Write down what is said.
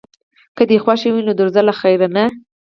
که دې خوښه وي نو درځه له خیره، نه.